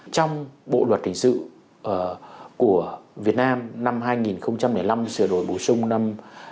trong bộ luật hình sự của việt nam năm hai nghìn năm sửa đổi bổ sung năm hai nghìn một mươi bảy